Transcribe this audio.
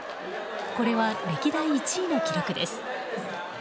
これは歴代１位の記録です。